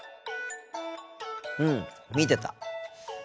うん見てた。